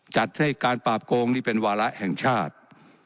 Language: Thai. จัดให้การปราบโกงนี่เป็นวาระแห่งชาติ